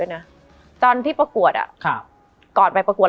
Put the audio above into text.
มันทำให้ชีวิตผู้มันไปไม่รอด